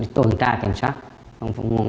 để tuần tra kiểm soát công an xã